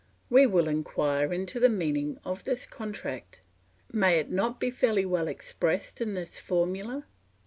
We will inquire into the meaning of this contract; may it not be fairly well expressed in this formula?